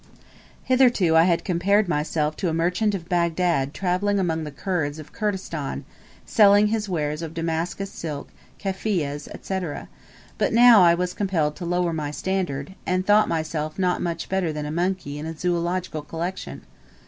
Hitherto I had compared myself to a merchant of Bagdad travelling among the Kurds of Kurdistan, selling his wares of Damascus silk, kefiyehs, &c. but now I was compelled to lower my standard, and thought myself not much better than a monkey in a zoological collection.